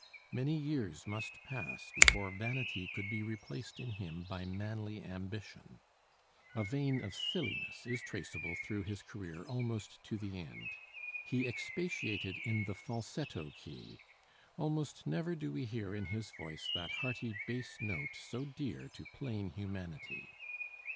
Many years must pass before vanity could be replaced in him by manly ambition; a vein of silliness is traceable through his career almost to the end. He expatiated in the falsetto key; almost never do we hear in his voice that hearty bass note so dear to plain humanity.